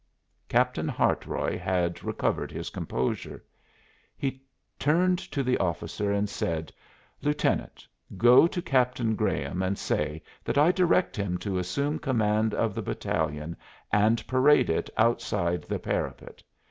Captain Hartroy had recovered his composure. He turned to the officer and said: "Lieutenant, go to Captain Graham and say that I direct him to assume command of the battalion and parade it outside the parapet.